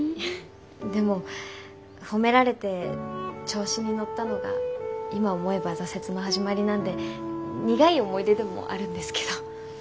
でも褒められて調子に乗ったのが今思えば挫折の始まりなんで苦い思い出でもあるんですけど。